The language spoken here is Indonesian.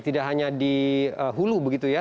tidak hanya dihulu begitu ya